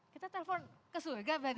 kita telepon ke surga berarti